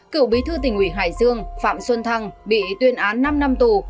cựu bí thư tỉnh ủy hải dương phạm xuân thăng bị tuyên án năm năm tù